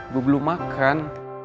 gue belum makan